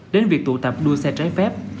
đến việc tụ tập đua xe trái phép